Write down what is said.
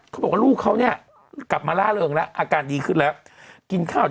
เขาบอกว่าลูกเขาเนี้ย